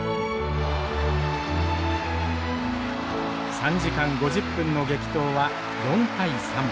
３時間５０分の激闘は４対３。